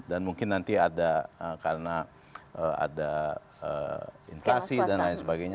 dan mungkin nanti ada karena ada inflasi dan lain sebagainya